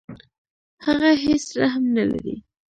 هغه هیڅ رحم نه لري.